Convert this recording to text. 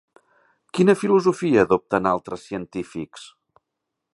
Quina filosofia adopten altres científics?